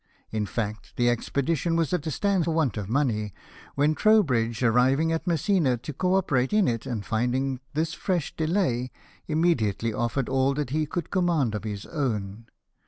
In fact, the expedition was at a stand for want of money, when Trowbridge, arriving at Messina to co operate in it, and finding this fresh delay, immediately offered all that he could command of his own.